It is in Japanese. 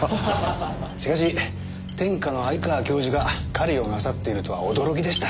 しかし天下の鮎川教授が狩りをなさっているとは驚きでした。